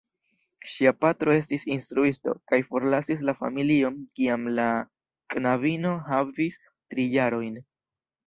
Ŝia patro estis instruisto, kaj forlasis la familion, kiam la knabino havis tri jarojn.